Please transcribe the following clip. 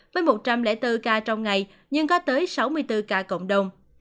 với một trăm linh bốn ca trong ngày nhưng có tới sáu mươi bốn ca cộng đồng